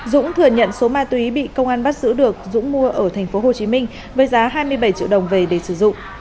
dũng thừa nhận số ma túy bị công an bắt giữ được dũng mua ở tp hcm với giá hai mươi bảy triệu đồng về để sử dụng